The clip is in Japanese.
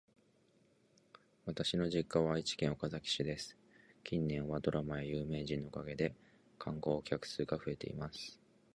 私の実家は愛知県岡崎市です。近年はドラマや有名人のおかげで観光客数が増えています。